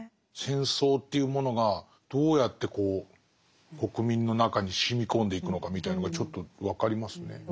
戦争というものがどうやってこう国民の中にしみこんでいくのかみたいのがちょっと分かりますね。